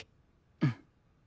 うん。